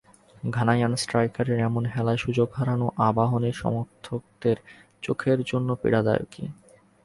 Ghanaian স্ট্রাইকারের এমন হেলায় সুযোগ হারানো আবাহনীর সমর্থকদের চোখের জন্য পীড়াদায়কই।